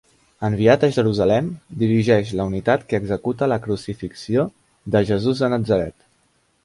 Enviat a Jerusalem, dirigeix la unitat que executa la crucifixió de Jesús de Natzaret.